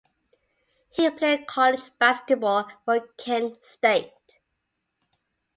He played college basketball for Kent State.